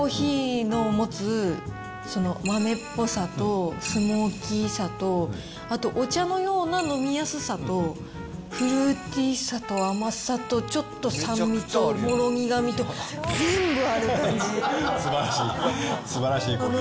コーヒーの持つその豆っぽさと、スモーキーさと、あと、お茶のような飲みやすさと、フルーティーさと、甘さとちょっと酸味と酸味と、すばらしい。